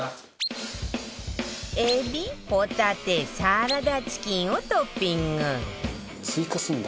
エビホタテサラダチキンをトッピング「追加するんだ」